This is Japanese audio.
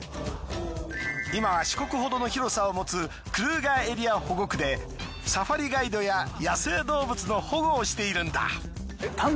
今は四国ほどの広さを持つクルーガーエリア保護区でサファリガイドや野生動物の保護をしているんだ。